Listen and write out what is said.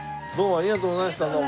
ありがとうございます。